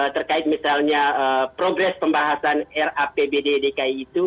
terkait misalnya progres pembahasan rapbd dki itu